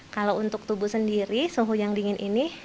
kalau untuk tubuh sendiri suhu yang dingin ini